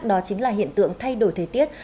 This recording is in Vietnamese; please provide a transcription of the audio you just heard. đó chính là hiện tượng thay đổi thời tiết